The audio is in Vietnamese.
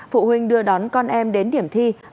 phụ huynh đưa đón con em đến điểm thi